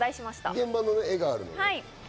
現場の画があるのね。